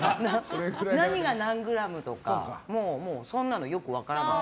何が何グラムとかもうそんなのよく分からない。